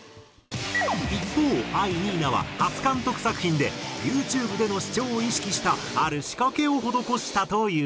一方藍にいなは初監督作品でユーチューブでの視聴を意識したある仕掛けを施したという。